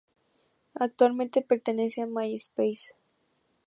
Actualmente pertenece a MySpace.